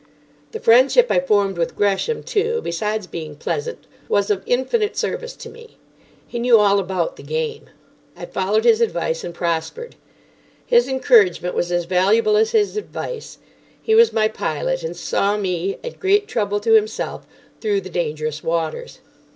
The friendship I formed with Gresham too, besides being pleasant, was of infinite service to me. He knew all about the game. I followed his advice, and prospered. His encouragement was as valuable as his advice. He was my pilot, and saw me, at great trouble to himself, through the dangerous waters.